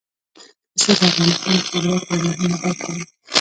پسه د افغانستان د صادراتو یوه مهمه برخه ده.